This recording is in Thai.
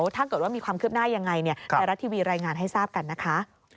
ถ้าเกิดว่ามีความคืบหน้ายังไงไทยรัฐทีวีรายงานให้ทราบกันนะคะ